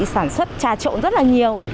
sản xuất trà trộn rất là nhiều